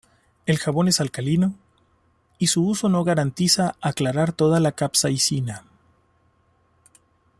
El Jabón es alcalino, y su uso no garantiza aclarar toda la capsaicina.